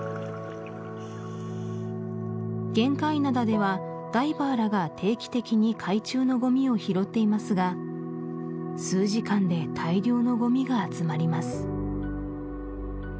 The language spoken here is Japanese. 玄界灘ではダイバーらが定期的に海中のごみを拾っていますが数時間で大量のごみが集まります